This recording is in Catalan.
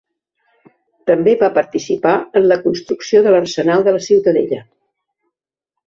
També va participar en la construcció de l'arsenal de la Ciutadella.